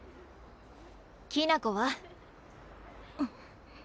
きな子は？